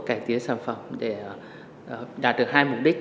cải tiến sản phẩm để đạt được hai mục đích